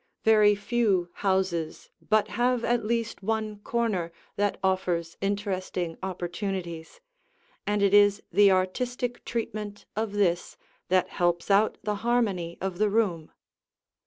Very few houses but have at least one corner that offers interesting opportunities, and it is the artistic treatment of this that helps out the harmony of the room.